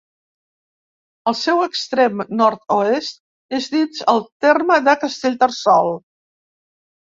El seu extrem nord-oest és dins del terme de Castellterçol.